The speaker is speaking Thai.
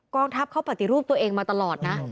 องทัพเขาปฏิรูปตัวเองมาตลอดนะ